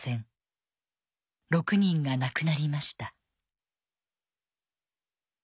６人が亡くなりました。